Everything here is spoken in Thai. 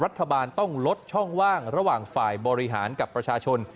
รัฐบาลต้องลดช่องว่างระหว่างฝ่ายบริหารกับประชาชน